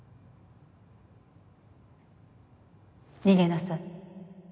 逃げなさい。